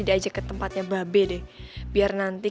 dia juga pintar lagi